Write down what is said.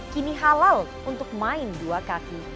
kini halal untuk main dua kaki